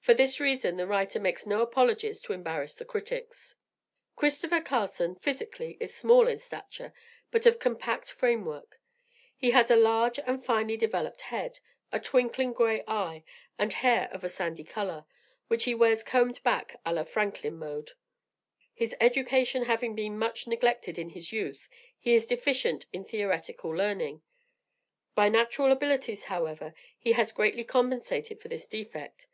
For this reason, the writer makes no apologies to embarrass the critics. Christopher Carson, physically, is small in stature, but of compact frame work. He has a large and finely developed head, a twinkling grey eye, and hair of a sandy color, which he wears combed back à la Franklin mode. His education having been much neglected in his youth, he is deficient in theoretical learning. By natural abilities, however, he has greatly compensated for this defect.